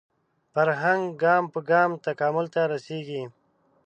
فرهنګ ګام په ګام تکامل ته رسېږي